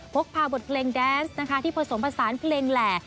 พกพาบทเพลงแดนซ์นะคะที่ผสมผสานเพลงแหล่